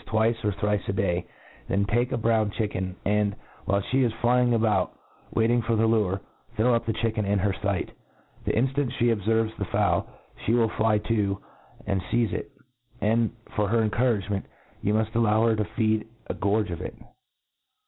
155 twice or thrice a day, then take a brown chicken, and, while fee is flying about waiting for the lure, throw up the chicken in her fight. The inftant fee obCerves the fowl, fee will fly to arid feize it j and, for her encouragement, you muft allow her to feed a gorge of it.